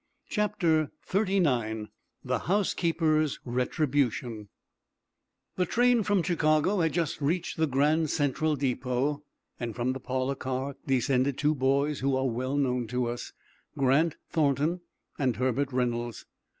CHAPTER XXXIX THE HOUSEKEEPER'S RETRIBUTION The train from Chicago had just reached the Grand Central Depot. From the parlor car descended two boys who are well known to us, Grant Thornton and Herbert Reynolds.